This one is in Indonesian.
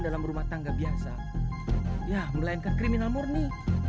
dalam rumah tangga biasa ya melainkan kriminal murni